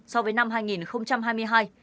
so với năm hai nghìn hai mươi hai